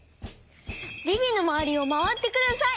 ビビのまわりをまわってください！